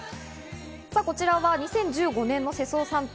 こちらは２０１５年の世相サンタ。